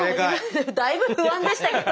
だいぶ不安でしたけど。